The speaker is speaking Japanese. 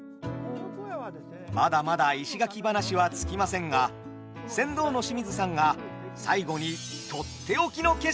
まだまだ石垣話は尽きませんが船頭の清水さんが最後にとっておきの景色を見せてくださいました。